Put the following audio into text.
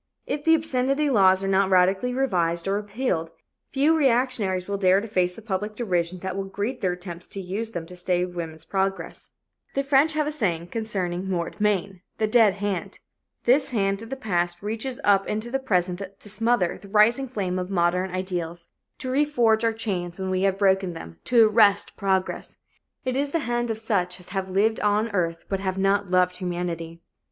If the obscenity laws are not radically revised or repealed, few reactionaries will dare to face the public derision that will greet their attempts to use them to stay woman's progress. The French have a saying concerning "mort main" the dead hand. This hand of the past reaches up into the present to smother the rising flame of modern ideals, to reforge our chains when we have broken them, to arrest progress. It is the hand of such as have lived on earth but have not loved humanity.